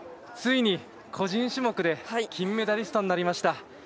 ついに個人種目で金メダリストになりました。